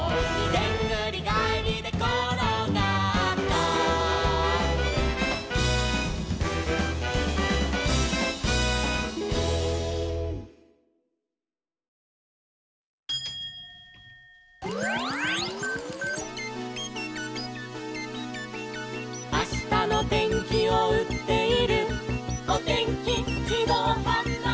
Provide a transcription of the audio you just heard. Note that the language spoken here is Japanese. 「でんぐりがえりでころがった」「あしたのてんきをうっているおてんきじどうはんばいき」